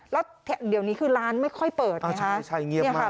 แล้วแถ่งเดี๋ยวนี้คือร้านไม่ค่อยเปิดใช่ใช่เงียบมากเนี่ยค่ะ